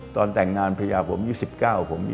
ตอนแต่งงานภรรยาผมยุค๑๙ผม